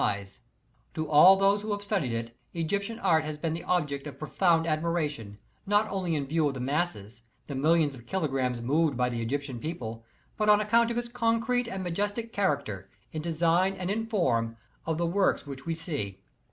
s To all those who have studied it, Egyptian art has been the object of profound admiration, not only in view of the masses, the millions of kilogrammes moved by the Egyptian people, but on account of its concrete and majestic character, in design and in form, of the works which we see.